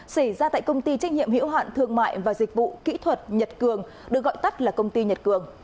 xảy ra tại công ty trách nhiệm hiểu hạn thương mại và dịch vụ kỹ thuật nhật cường được gọi tắt là công ty nhật cường